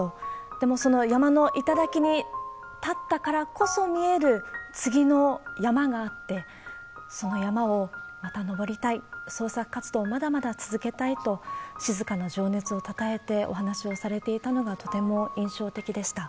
でもその山の頂に立ったからこそ見える次の山があって、その山をまた登りたい、創作活動をまだまだ続けたいと、静かな情熱をたたえてお話をされていたのがとても印象的でした。